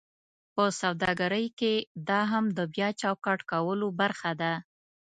په سوداګرۍ کې دا هم د بیا چوکاټ کولو برخه ده: